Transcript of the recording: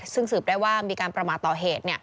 ซึ่งสืบได้ว่ามีการประมาทต่อเหตุ